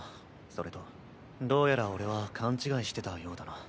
それとどうやら俺は勘違いしてたようだな。